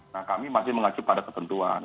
nah kami masih mengacu pada ketentuan